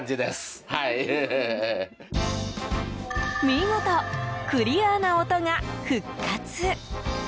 見事、クリアな音が復活。